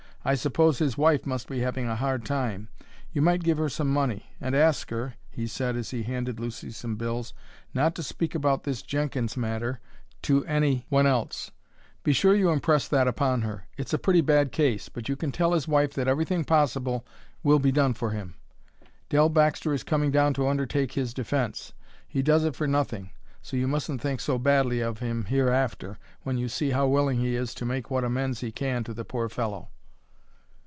I suppose his wife must be having a hard time. You might give her some money. And ask her," he said as he handed Lucy some bills, "not to speak about this Jenkins matter to any one else. Be sure you impress that upon her. It's a pretty bad case, but you can tell his wife that everything possible will be done for him. Dell Baxter is coming down to undertake his defence; he does it for nothing. So you mustn't think so badly of him hereafter, when you see how willing he is to make what amends he can to the poor fellow."